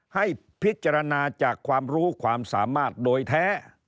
ให้พิจารณาจากความรู้ความสามารถโดยแท้